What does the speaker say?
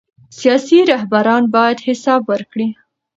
سیاسي رهبران باید حساب ورکړي